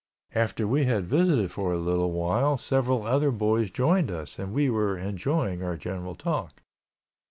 After we had visited for a little while several other boys joined us and we were enjoying our general talk.